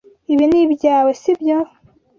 Ibi ni ibyawe, si byo?